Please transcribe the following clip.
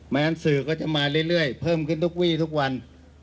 งั้นสื่อก็จะมาเรื่อยเพิ่มขึ้นทุกวีทุกวัน